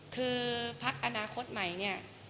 คือพักอนาคตใหม่เนี่ย